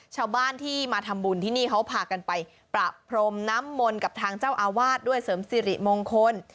ชาวบ้านที่มาทำบุญที่นี่เขาพากันไปประพรมน้ำมนต์กับทางเจ้าอาวาสด้วยเสริมสิริมงคล